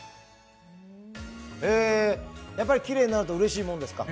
やっぱりきれいになるとうれしいものですか。